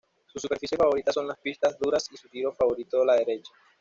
Su superficie favorita son las pistas duras y su tiro favorito la derecha.